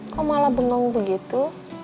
kok malah bengong begitu